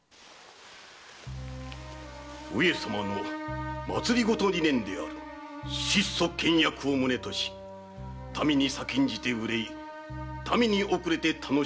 上様の政の理念である“質素倹約”を旨とし「民に先んじて憂い民に遅れて楽しむ」を座右の銘として。